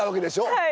はい。